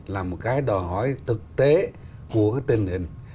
là một cái đòi hỏi thực tế của cái tình hình